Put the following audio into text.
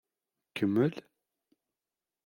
Kemmel!